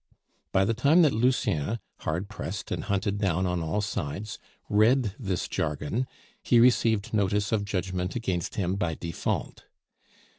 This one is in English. By the time that Lucien, hard pressed and hunted down on all sides, read this jargon, he received notice of judgment against him by default.